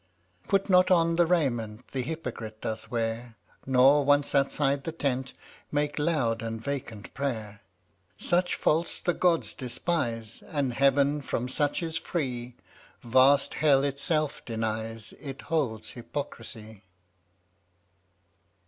82 Put not on the raiment The hypocrite doth wear, Nor, once outside the tent, Make loud and vacant prayer. Such faults the gods despise, And Heaven from such is free; Vast hell itself denies It holds hypocrisy.